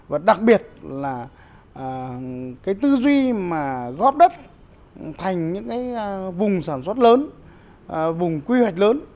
và đặc biệt là cái tư duy mà góp đất thành những cái vùng sản xuất lớn vùng quy hoạch lớn